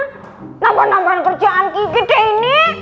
kenapa nambahin kerjaan kiki deh ini